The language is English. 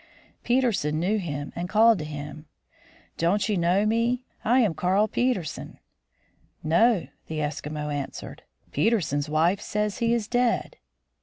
Peterson knew him, and called to him :" Don't you know me? I am Carl Peterson." " No," the Eskimo answered; "Peterson's wife says he is dead."